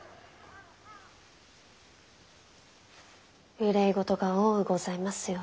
憂い事が多うございますようで。